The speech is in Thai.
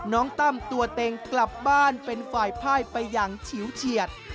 ตั้มตัวเต็งกลับบ้านเป็นฝ่ายพ่ายไปอย่างฉิวเฉียด